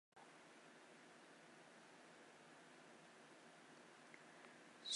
身后葬于香港跑马地西洋香港坟场。